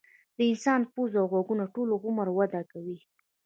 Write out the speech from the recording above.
د انسان پوزه او غوږونه ټول عمر وده کوي.